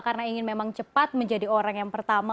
karena ingin memang cepat menjadi orang yang pertama